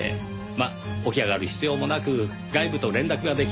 まあ起き上がる必要もなく外部と連絡ができますからねぇ。